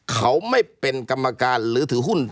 เขาไม่เป็นกรรมการหรือถือหุ้น